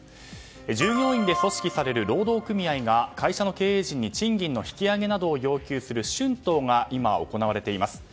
従業員で組織される労働組合が会社の経営陣に賃金の引き上げなどを要求する春闘が今、行われています。